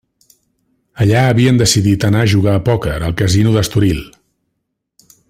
Allà havien decidit anar a jugar a pòquer al casino d'Estoril.